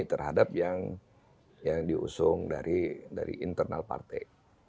terhadap yang diusung dari internal partai